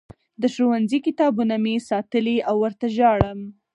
د ښوونځي کتابونه مې ساتلي او ورته ژاړم